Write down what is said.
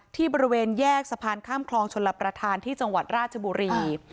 บริเวณแยกสะพานข้ามคลองชลประธานที่จังหวัดราชบุรี